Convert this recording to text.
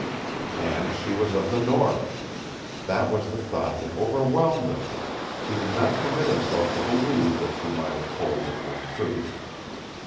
AND SHE WAS OF THE NORTH! That was the thought that overwhelmed him. He did not permit himself to believe that she might have told him an untruth.